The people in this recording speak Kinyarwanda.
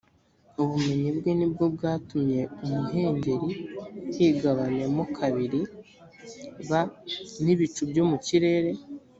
ubumenyi bwe ni bwo bwatumye imuhengeri higabanyamo kabiri b n ibicu byo mu kirere